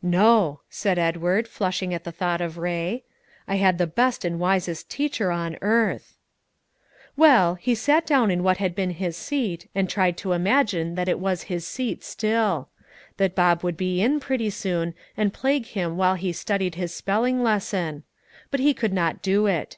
"No," said Edward, flushing at the thought of Ray; "I had the best and wisest teacher on earth." Well, he sat down in what had been his seat, and tried to imagine that it was his seat still; that Bob would be in pretty soon, and plague him while he studied his spelling lesson. But he could not do it.